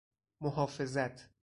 محافظت